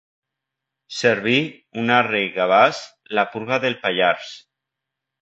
Cerbi, Unarre i Gavàs: la purga del Pallars.